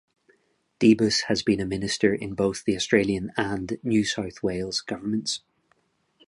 Debus has been a minister in both the Australian and New South Wales governments.